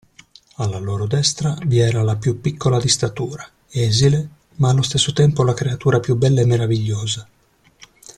Alla loro destra vi era la più piccola di statura, esile, ma allo stesso tempo la creatura più bella e meravigliosa.